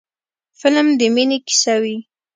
فلم د مینې کیسه وي